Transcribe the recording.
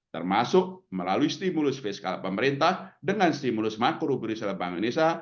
termasuk melalui stimulus fiskal pemerintah dengan stimulus makro berusaha bank indonesia